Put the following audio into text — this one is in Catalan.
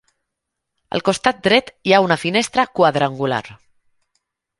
Al costat dret, hi ha una finestra quadrangular.